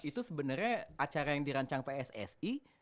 itu sebenarnya acara yang dirancang pssi